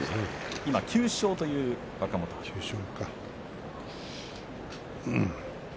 今９勝という若元春です。